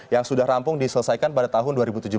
yang sudah rampung diselesaikan pada tahun dua ribu tujuh belas